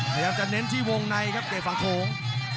พยายามจะเน้นที่วงในครับเตะฝั่งโขง